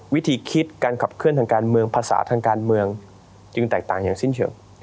วิธีคิดการขับเคลื่อนทางการเมืองภาษาทางการเมืองจึงแตกต่างอย่างสิ้นเชิง